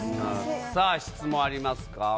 質問ありますか？